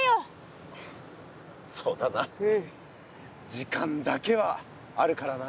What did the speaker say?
時間だけはあるからな。